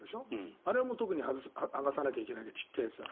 あれは特に剥がさないといけないけど小さいやつだと。